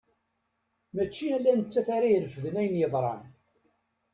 Mačči ala nettat ara irefden ayen yeḍran.